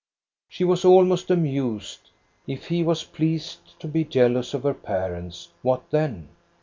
She was almost amused. If he was pleased to be jealous of her parents, what then